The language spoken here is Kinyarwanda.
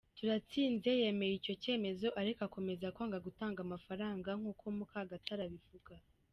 Turatsinze yemeye icyo cyemezo ariko akomeza kwanga gutanga amafaranga nk’uko Mukagatare abivuga.